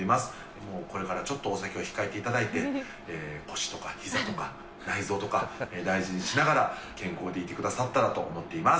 もうこれからちょっとお酒は控えていただいて、腰とかひざとか内臓とか、大事にしながら、健康でいてくださったらと思っています。